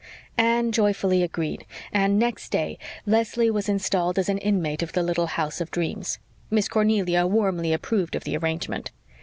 Anne joyfully agreed, and next day Leslie was installed as an inmate of the little house of dreams. Miss Cornelia warmly approved of the arrangement.